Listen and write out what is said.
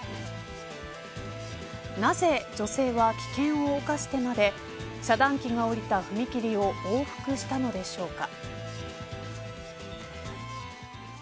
なぜ女性は危険を冒してまで遮断機が下りた踏切を往復したのでしょうか。